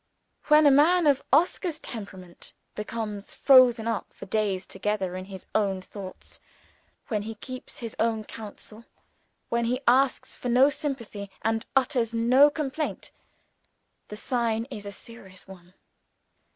When a man of Oscar's temperament becomes frozen up for days together in his own thoughts when he keeps his own counsel; when he asks for no sympathy, and utters no complaint the sign is a serious one.